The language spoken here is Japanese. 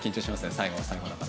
最後の最後だから。